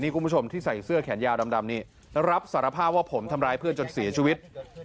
คุณผู้ชมที่ใส่เสื้อแขนยาวดำนี่รับสารภาพว่าผมทำร้ายเพื่อนจนเสียชีวิต